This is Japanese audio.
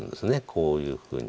こういうふうに。